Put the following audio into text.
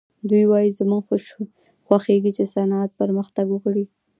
دوی وايي زموږ خوښېږي چې صنعت پرمختګ وکړي